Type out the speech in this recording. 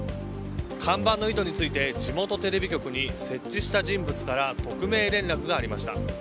看板の意図について地元テレビ局に設置した人物から匿名連絡がありました。